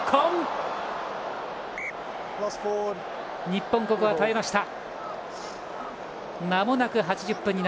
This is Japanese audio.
日本、ここは耐えました。